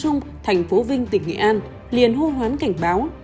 trung thành phố vinh tỉnh nghệ an liền hô hoán cảnh báo